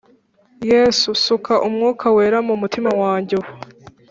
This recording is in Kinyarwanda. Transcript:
Yesu suka umwuka wera mu mutima wanjye ubu